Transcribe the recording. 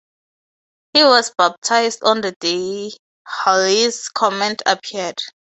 He was baptised on the day Halley's Comet appeared.